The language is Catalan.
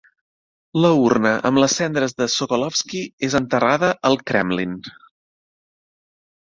La urna amb les cendres de Sokolovsky és enterrada al Kremlin.